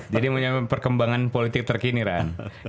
jadi menyebabkan perkembangan politik terkini rani